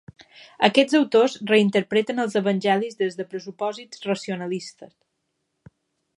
Aquests autors reinterpreten els Evangelis des de pressupòsits racionalistes.